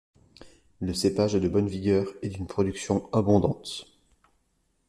Le cépage est de bonne vigueur et d'une production abondante.